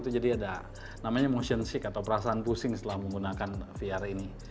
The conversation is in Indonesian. jadi ada motion sick atau perasaan pusing setelah menggunakan vr ini